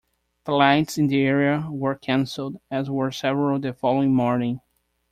Flights in the area were cancelled, as were several the following morning.